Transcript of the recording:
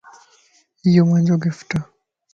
ايو مانجو گفٽ